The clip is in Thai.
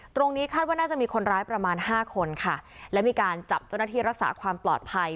ตรงนี้คาดว่าน่าจะมีคนร้ายประมาณห้าคนค่ะและมีการจับเจ้าหน้าที่รักษาความปลอดภัย